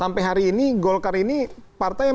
sampai hari ini golkar ini partai yang menjalankan aktivitasnya